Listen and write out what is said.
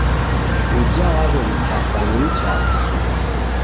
Uja w'aw'emtasa ni mchafu.